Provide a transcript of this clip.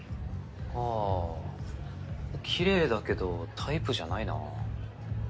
ああきれいだけどタイプじゃないなぁ。